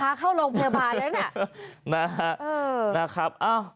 พาเข้าโรงพยาบาลแล้วน่ะนะฮะเออนะครับ